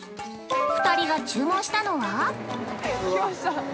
２人が注文したのは？